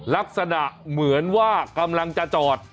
ลักษณะเหมือนว่ากำลังจะจอด